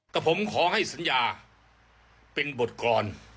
กับผมขอให้สัญญาเป็นบทกร